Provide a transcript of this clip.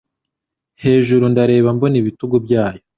Hejuru ndareba mbona ibitugu byayo